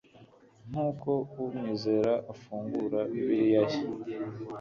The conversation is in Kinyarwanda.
Nkuko umwizera afungura Bibiliya ye